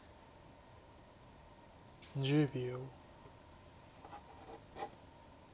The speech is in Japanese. １０秒。